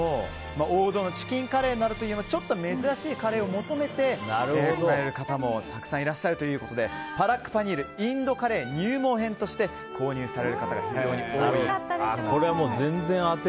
王道のチキンカレーよりもちょっと珍しいカレーを求めて買いに来られる方もたくさんいらっしゃるということでパラックパニールインドカレー入門編として購入される方が非常に多いそうです。